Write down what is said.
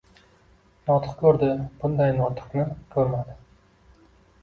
Notiq ko‘rdi — bunday notikni ko‘rmadi.